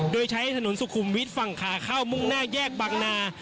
โดยใช้ถนนสุขุมวิทย์ฝั่งขาเข้ามุ่งหน้าแยกบางนา